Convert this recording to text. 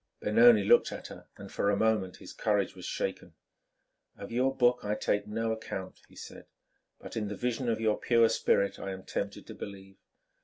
Benoni looked at her and for a moment his courage was shaken. "Of your book I take no account," he said, "but in the vision of your pure spirit I am tempted to believe.